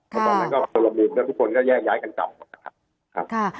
แล้วตอนนั้นก็สุดท้ายแล้วทุกคนก็แยกย้ายกันกันครับ